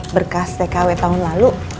berkas tkw tahun lalu